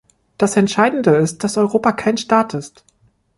Das Entscheidende ist, dass Europa kein Staat ist.